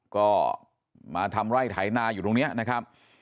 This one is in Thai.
ก็มาทำไร่ไถนาอยู่ตรงนี้นะครับ